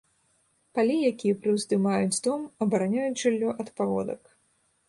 Палі, якія прыўздымаюць дом, абараняюць жыллё ад паводак.